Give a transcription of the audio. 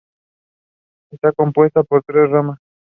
Estará compuesta por tres ramas.